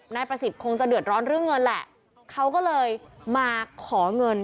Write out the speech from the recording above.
นายประสิทธิ์คงจะเดือดร้อนเรื่องเงินแหละเขาก็เลยมาขอเงิน